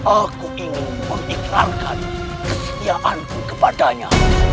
aku ingin mengiklankan kesetiaanku kepadanya